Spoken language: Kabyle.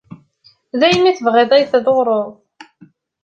Daymi tebɣiḍ ad yi-tḍurreḍ?